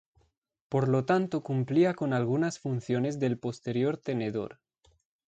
Por lo tanto cumplía con algunas funciones del posterior tenedor.